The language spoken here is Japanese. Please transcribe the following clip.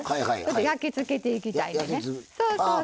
焼き付けていきたいですね。